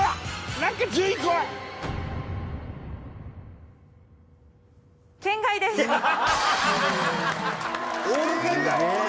何か順位こいえ